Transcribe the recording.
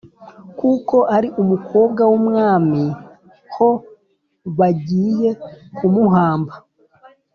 kuko ari umukobwa w umwami h Bagiye kumuhamba